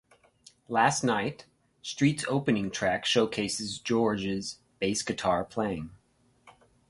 "Last Night", "Street"s opening track, showcases George's bass-guitar playing.